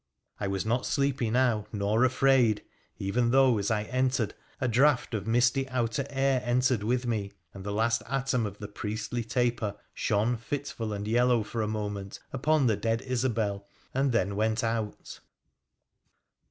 I was not sleepy now, nor afraid— even though as I entered a draught PIIRA THE PHOENICIAN 221 of misty outer air entered with me and the last atom of the priestly taper shone fitful and yellow for a moment upon the dead Isobel, and then went out.